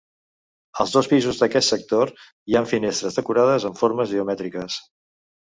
Als dos pisos d'aquest sector hi ha finestres decorades amb formes geomètriques.